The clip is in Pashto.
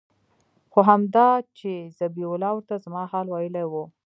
خو همدا چې ذبيح الله ورته زما حال ويلى و.